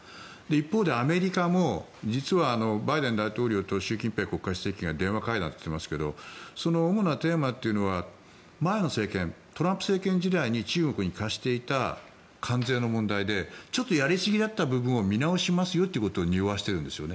一方でアメリカも実はバイデン大統領と習近平国家主席が電話会談してますけどその主なテーマというのは前の政権、トランプ政権時代に中国に課していた関税の問題でちょっとやりすぎだった部分を見直しますよということをにおわしているんです。